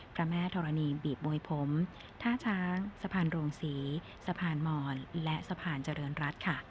พระแม่ธรณีบีบมวยผมท่าช้างสะพานโรงศรีสะพานมอนและสะพานเจริญรัฐค่ะ